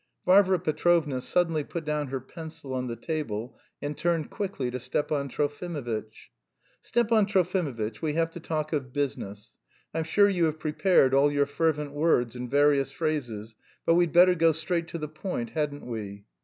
Varvara Petrovna suddenly put down her pencil on the table and turned quickly to Stepan Trofimovitch. "Stepan Trofimovitch, we have to talk of business. I'm sure you have prepared all your fervent words and various phrases, but we'd better go straight to the point, hadn't we?"